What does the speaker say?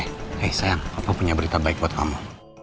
hei sayang kamu punya berita baik buat kamu